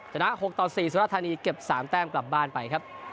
จำนั้น๖๔สุรทานีเก็บ๓แต้มกลับบ้านไปครับ